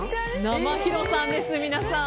生ヒロさんです、皆さん。